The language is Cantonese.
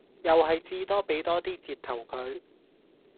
又係至多俾多 d 折頭佢